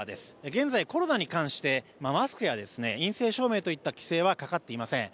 現在、コロナに関してマスクや陰性証明といった規制はかかっていません。